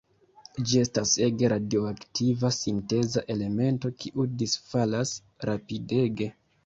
Ĝi estas ege radioaktiva sinteza elemento, kiu disfalas rapidege.